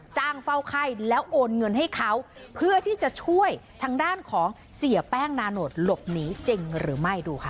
จ้างเฝ้าไข้แล้วโอนเงินให้เขาเพื่อที่จะช่วยทางด้านของเสียแป้งนาโนตหลบหนีจริงหรือไม่ดูค่ะ